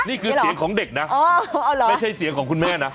นี่คือเสียงของเด็กนะไม่ใช่เสียงของคุณแม่นะ